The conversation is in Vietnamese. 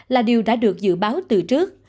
là điều đã được dự báo từ trước